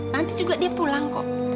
nanti juga dia pulang